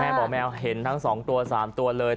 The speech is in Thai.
แม่หมอแมวเห็นทั้งสองตัวสามตัวเลย